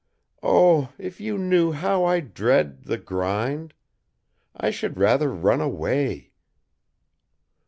Oh, if you knew how I dread the grind! I should rather run away."